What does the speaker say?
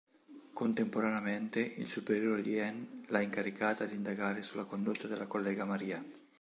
Contemporaneamente il superiore di Anne l'ha incaricata di indagare sulla condotta della collega Maria.